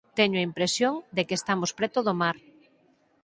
Teño a impresión de que estamos preto do mar.